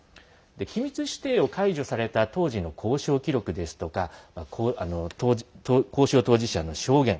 機密指定を解除された当時の交渉記録ですとか交渉当事者の証言